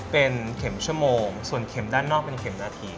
เป็นเข็มชั่วโมงส่วนเข็มด้านนอกเป็นเข็มนาที